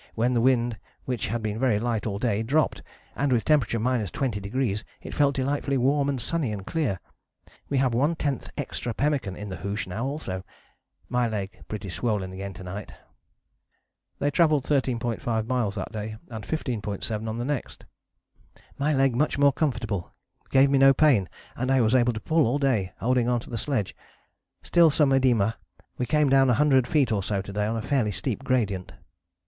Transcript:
when the wind which had been very light all day dropped, and with temp. 20° it felt delightfully warm and sunny and clear. We have 1/10 extra pemmican in the hoosh now also. My leg pretty swollen again to night." They travelled 13.5 miles that day, and 15.7 on the next. "My leg much more comfortable, gave me no pain, and I was able to pull all day, holding on to the sledge. Still some oedema. We came down a hundred feet or so to day on a fairly steep gradient."